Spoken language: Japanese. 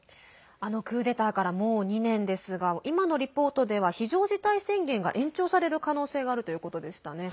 あのクーデターからもう２年ですが今のリポートでは非常事態宣言が延長される可能性があるということでしたね。